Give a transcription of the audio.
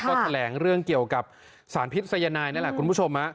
ก็แถลงเรื่องเกี่ยวกับสารพิษยนายนั่นแหละคุณผู้ชม